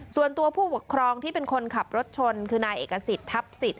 ส่วนตัวผู้ปกครองที่เป็นคนขับรถชนคือนายเอกสิทธิ์ทัพสิทธ